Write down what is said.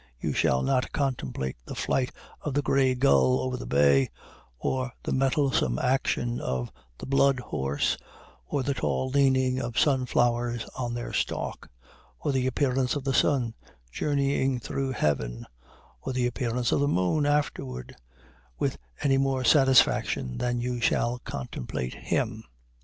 You shall not contemplate the flight of the gray gull over the bay, or the mettlesome action of the blood horse, or the tall leaning of sunflowers on their stalk, or the appearance of the sun journeying through heaven, or the appearance of the moon afterward, with any more satisfaction than you shall contemplate him.